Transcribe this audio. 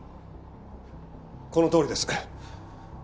このとおりです。